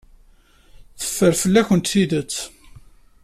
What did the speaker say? Teffer fell-akent tidet.